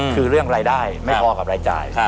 คือเรื่องรายได้ไม่พอกับรายจ่าย